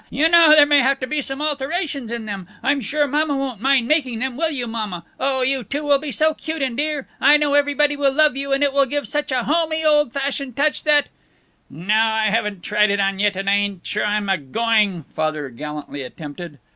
You know there may have to be some alterations in them. I'm sure mama won't mind making them, will you, mama! Oh, you two will be so cute and dear, I know everybody will love you, and it will give such a homey, old fashioned touch that " "No, I haven't tried it on yet, and I ain't sure I'm a going " Father gallantly attempted.